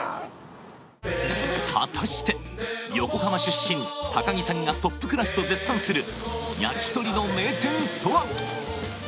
果たして横浜出身高城さんがトップクラスと絶賛する焼き鳥の名店とは！？